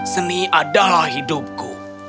seni adalah hidupku